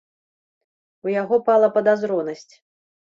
У яго пала падазронасць.